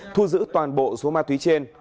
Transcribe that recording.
thu giữ toàn bộ số ma túy trên